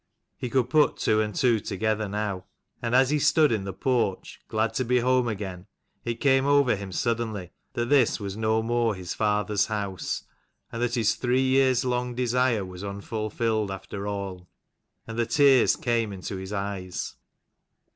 He could put two and two together now. And as he stood in the porch, glad to be home again, it came over him suddenly that this was no more his father's house, and that his three years' long desire was unfulfilled after all: and the tears came into his eyes.